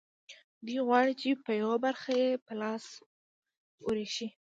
دوی غواړي چې یوه برخه یې په لاس ورشي